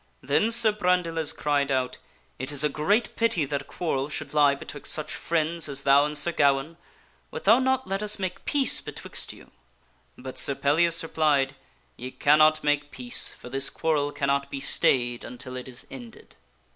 Then Sir Brandiles cried out, " It is a great pity that a quarrel should lie betwixt such friends as thou and Sir Gawaine. Wilt thou not let us make peace betwixt you ?" But Sir Pellias replied, " Ye cannot make peace, for this quarrel cannot be stayed until it is ended."